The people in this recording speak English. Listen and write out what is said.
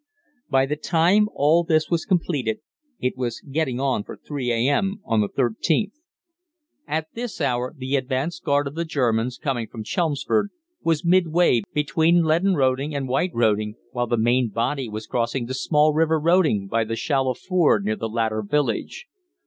By the time all this was completed it was getting on for 3 a.m. on the 13th. At this hour the advanced guard of the Germans coming from Chelmsford was midway between Leaden Roding and White Roding, while the main body was crossing the small River Roding by the shallow ford near the latter village.